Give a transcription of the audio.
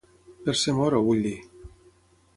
Per ser moro, vull dir.